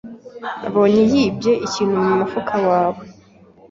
Nabonye yibye ikintu mumufuka wawe.